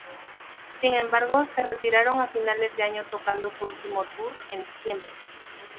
Sin embargo se retiraron a finales de año tocando su último tour en diciembre.